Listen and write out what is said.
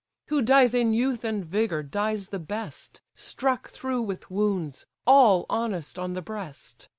Who dies in youth and vigour, dies the best, Struck through with wounds, all honest on the breast.